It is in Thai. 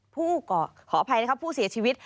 ขออภัยนะครับผู้เสียชีวิต